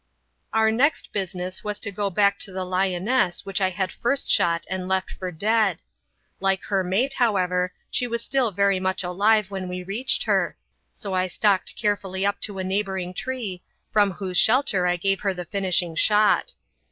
Our next business was to go back to the lioness which I had first shot and left for dead. Like her mate, however, she was still very much alive when we reached her, so I stalked carefully up to a neighbouring tree, from whose shelter I gave her the finishing shot.